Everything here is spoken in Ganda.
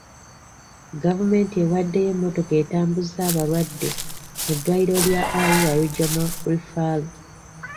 Gavumenti ewaddeyo emmotoka etambuza abalwadde mu ddwaliro lya Arua regional referral.